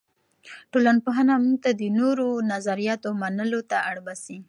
ټولنپوهنه موږ ته د نورو نظریاتو منلو ته اړ باسي.